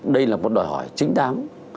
đây là một đòi hỏi chính đáng